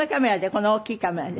この大きいカメラで。